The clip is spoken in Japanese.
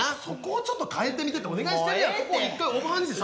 そこちょっと変えてみてってお願いしてるやん。